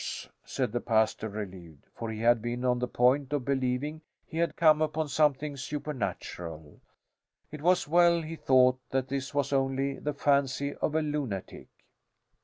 said the pastor, relieved. For he had been on the point of believing he had come upon something supernatural. It was well, he thought, that this was only the fancy of a lunatic.